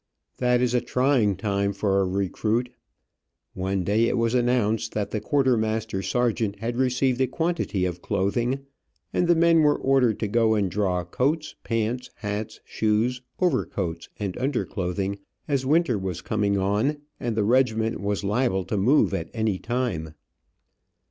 That is a trying time for a recruit. One day it was announced that the quartermaster sergeant had received a quantity of clothing, and the men were ordered to go and draw coats, pants, hats, shoes, overcoats, and underclothing, as winter was coming on, and the regiment was liable to move at any time.